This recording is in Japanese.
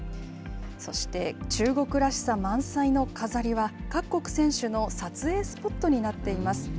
そして中国らしさ満載の飾りは、各国選手の撮影スポットになっています。